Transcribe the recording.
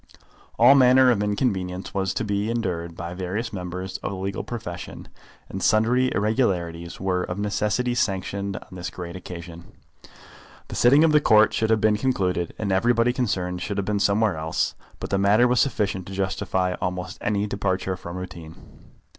All manner of inconvenience was to be endured by various members of the legal profession, and sundry irregularities were of necessity sanctioned on this great occasion. The sitting of the Court should have been concluded, and everybody concerned should have been somewhere else, but the matter was sufficient to justify almost any departure from routine.